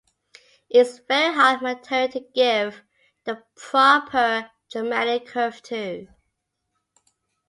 It's very hard material to give the proper dramatic curve to.